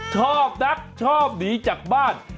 ชอบนักชอบหนีจากบ้าน